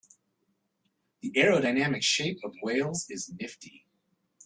The aerodynamic shape of whales is nifty.